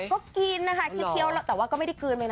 ก็กินนะคะเคี้ยวแล้วแต่ว่าก็ไม่ได้กลืนไปนะ